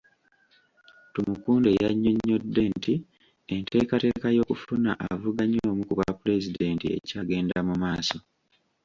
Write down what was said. Tumukunde yannyonnyodde nti enteekateeka y'okufuna avuganya omu ku bwapulezidenti ekyagenda mu maaso.